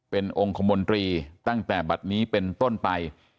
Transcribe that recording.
เป็นองค์คมนตรีตั้งแต่บัตรนี้เป็นต้นไป